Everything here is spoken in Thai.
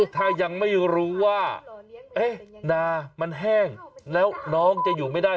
ถ้ายังไม่รู้ว่านามันแห้งแล้วน้องจะอยู่ไม่ได้